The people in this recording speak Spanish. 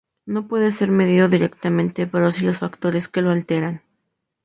No puede ser medido directamente, pero sí los factores que lo alteran.